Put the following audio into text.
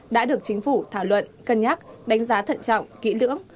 đã được chính phủ thảo luận cân nhắc đánh giá thận trọng kỹ lưỡng